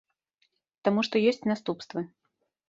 Таму што ёсць наступствы.